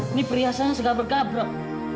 ini perhiasannya segabrak gabrak